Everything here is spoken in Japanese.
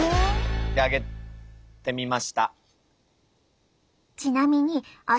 であげてみました。